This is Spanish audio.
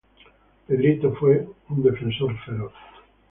Pedrito fue un defensor feroz.